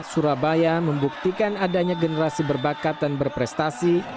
surabaya membuktikan adanya generasi berbakat dan berprestasi